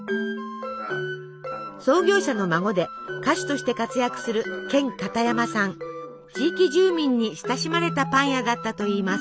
創業者の孫で歌手として活躍する地域住民に親しまれたパン屋だったといいます。